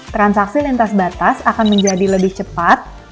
transaksi lintas batas akan menjadi lebih cepat